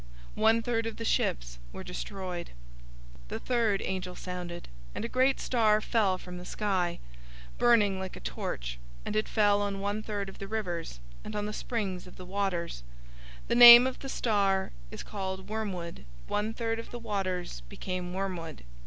One third of the ships were destroyed. 008:010 The third angel sounded, and a great star fell from the sky, burning like a torch, and it fell on one third of the rivers, and on the springs of the waters. 008:011 The name of the star is called "Wormwood." One third of the waters became wormwood.